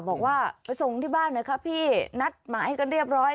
บอกว่าไปส่งที่บ้านหน่อยครับพี่นัดหมายกันเรียบร้อย